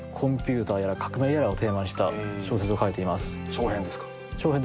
長編です。